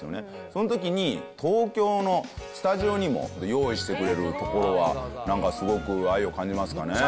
そのときに、東京のスタジオにも、用意してくれるところは、なんかすごく愛を感じますかね。